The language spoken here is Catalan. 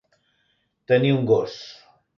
Tenir un gos.